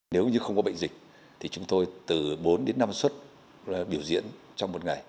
nếu như không có bệnh dịch thì chúng tôi từ bốn đến năm xuất biểu diễn trong một ngày